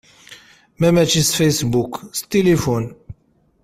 Ma mačči s fasebbuk s tilifun.